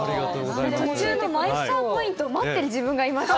途中のマイスターポイント待ってる自分がいました